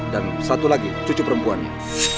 dan satu lagi cucu perempuannya